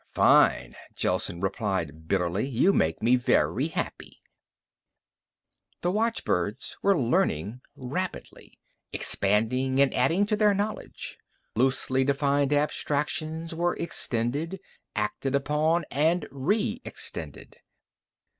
"Fine," Gelsen replied bitterly. "You make me very happy." The watchbirds were learning rapidly, expanding and adding to their knowledge. Loosely defined abstractions were extended, acted upon and re extended.